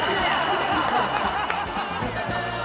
ハハハハ！